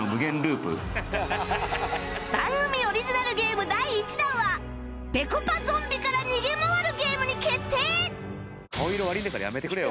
番組オリジナルゲーム第１弾はぺこぱゾンビから逃げ回るゲームに決定